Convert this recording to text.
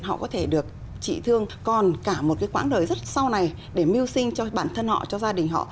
họ có thể được trị thương còn cả một cái quãng đời rất sau này để mưu sinh cho bản thân họ cho gia đình họ